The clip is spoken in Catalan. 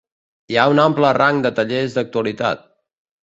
Hi ha un ample rang de tallers d'actualitat.